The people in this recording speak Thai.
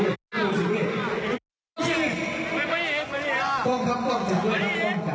โอ้โฮไม่รู้ว่าท่านมียังไง